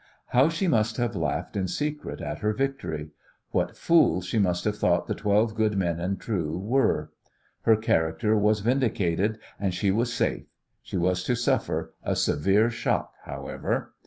How she must have laughed in secret at her victory! What fools she must have thought the twelve good men and true were! Her character was vindicated, and she was safe. She was to suffer a severe shock, however.